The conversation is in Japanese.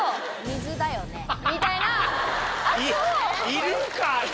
いるかな？